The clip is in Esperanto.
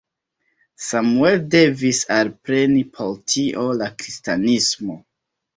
Samuel devis alpreni por tio la kristanismon.